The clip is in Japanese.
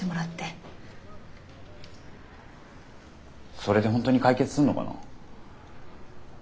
それで本当に解決すんのかな？